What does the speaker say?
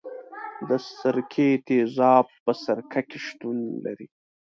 د سرکې تیزاب په سرکه کې شتون لري.